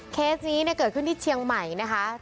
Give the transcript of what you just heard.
เคสนี้เกิดขึ้นที่เชียงใหม่นะคะ